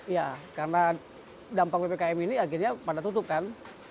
ya karena dampak ppkm ini akhirnya pada tutup kan